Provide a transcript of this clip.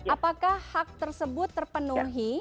apakah hak tersebut terpenuhi